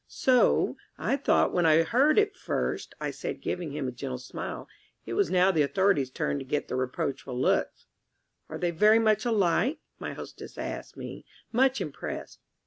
"So I thought when I heard it first," I said, giving him a gentle smile. It was now the Authority's turn to get the reproachful looks. "Are they very much alike?" my hostess asked me, much impressed.